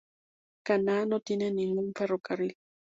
Kanna no tiene ningún ferrocarril.